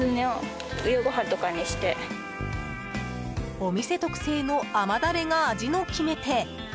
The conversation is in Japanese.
お店特製の甘ダレが味の決め手